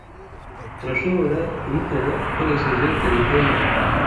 Urashobora kubikora ukoresheje terefone.